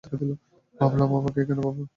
ভাবলাম তোমাকে এখানে পাব।